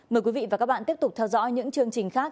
mời quý vị và các bạn tiếp tục theo dõi những chương trình khác